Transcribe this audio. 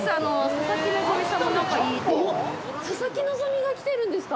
佐々木希が来てるんですか？